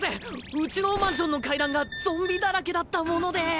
うちのマンションの階段がゾンビだらけだったもので！